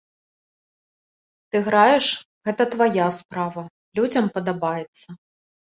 Ты граеш, гэта твая справа, людзям падабаецца.